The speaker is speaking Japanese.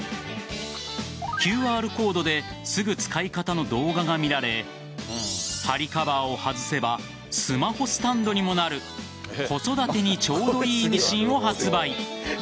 ＱＲコードですぐ使い方の動画が見られ針カバーを外せばスマホスタンドにもなる子育てにちょうどいいミシンを発売。